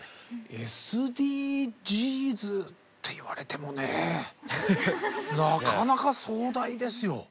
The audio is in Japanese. ＳＤＧｓって言われてもねなかなか壮大ですよ。